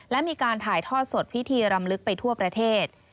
และมีการถ่ายทอดสดพิธีรำลึกไปทั่วประเทศ